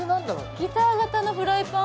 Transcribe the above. ギター型のフライパン？